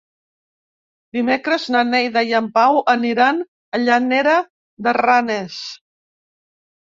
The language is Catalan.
Dimecres na Neida i en Pau aniran a Llanera de Ranes.